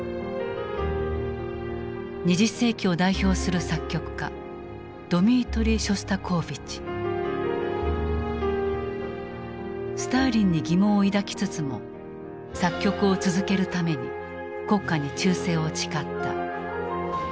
２０世紀を代表する作曲家スターリンに疑問を抱きつつも作曲を続けるために国家に忠誠を誓った。